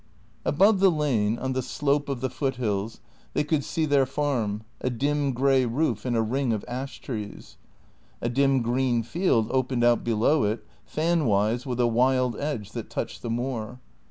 Above the lane, on the slope of the foot hills, they could see their farm, a dim grey roof in a ring of ash trees. A dim green field opened out below it, fan wise with a wild edge that touched the moor.